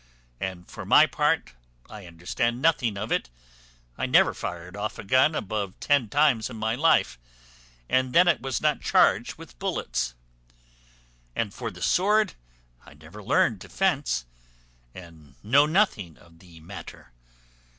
and, for my part, I understand nothing of it. I never fired off a gun above ten times in my life; and then it was not charged with bullets. And for the sword, I never learned to fence, and know nothing of the matter.